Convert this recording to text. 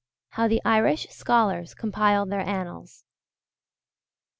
HOW THE IRISH SCHOLARS COMPILED THEIR ANNALS.